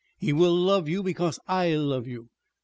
"He will love you because I love you.